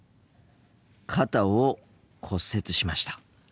肩を骨折しました。